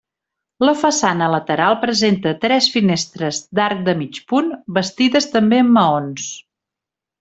La façana lateral presenta tres finestres d'arc de mig punt, bastides també amb maons.